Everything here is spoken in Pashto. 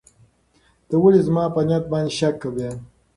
ته ولې زما په نیت باندې شک کوې؟